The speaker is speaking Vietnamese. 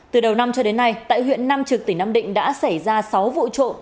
từ đầu năm cho đến nay tại huyện nam trực tỉnh nam định đã xảy ra sáu vụ trộm